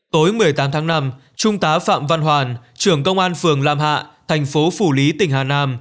tối một mươi tám tháng năm trung tá phạm văn hoàn trưởng công an phường lam hạ thành phố phủ lý tỉnh hà nam